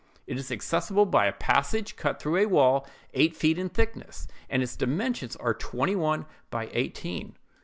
It is accessible by a passage cut through a wall eight feet in thickness, and its dimensions are twenty one by eighteen.